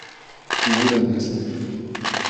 He wouldn't listen.